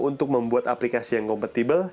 untuk membuat aplikasi yang kompetibel